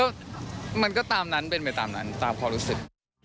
ก็มันก็ตามนั้นเป็นไปตามนั้นตามความรู้สึก